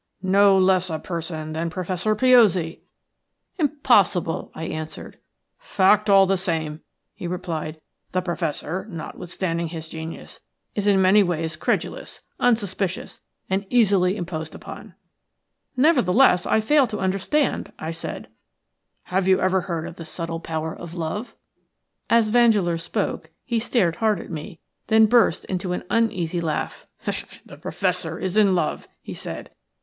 "No less a person than Professor Piozzi." "Impossible," I answered. "Fact, all the same," he replied. "The Professor, notwithstanding his genius, is in many ways credulous, unsuspicious, and easily imposed upon." "Nevertheless, I fail to understand," I said. "Have you ever heard of the subtle power of love?" As Vandeleur spoke he stared hard at me, then burst into an uneasy laugh. "The Professor is in love," he said.